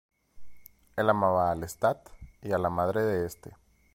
El amaba a Lestat y a la madre de este.